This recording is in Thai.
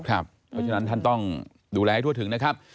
เพราะฉะนั้นท่านต้องดูแลให้ทั่วถึงนะครับ